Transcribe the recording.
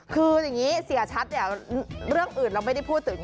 คืออย่างนี้เสียชัดเนี่ยเรื่องอื่นเราไม่ได้พูดถึง